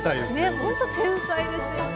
ほんと繊細ですよね。